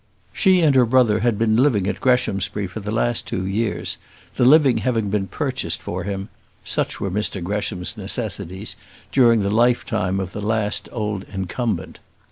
She and her brother had been living at Greshamsbury for the last two years, the living having been purchased for him such were Mr Gresham's necessities during the lifetime of the last old incumbent.